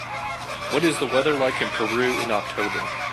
What is the weather like in Peru in October